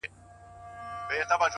صادق انسان آرامه شپه لري!